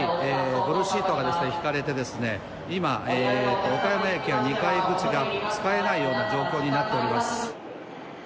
ブルーシートが敷かれて今、岡山駅は２階口が使えない状況になっております。